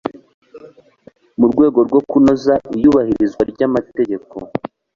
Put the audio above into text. mu rwego rwo kunoza iyubahirizwa ry amategeko